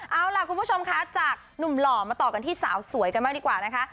เอาล่ะคุณผู้ชมคะจากหนุ่มหล่อมาต่อกันที่สาวสวยกันบ้างดีกว่านะคะ